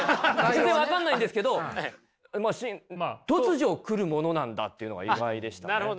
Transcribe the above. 全然分かんないんですけど突如来るものなんだというのが意外でしたね。